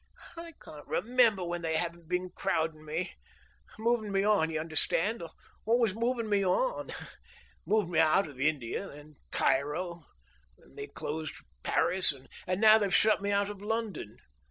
"I can't remember when they haven't been crowdin' me. Movin' me on, you understand? Always movin' me on. Moved me out of India, then Cairo, then they closed Paris, and now they've shut me out of London.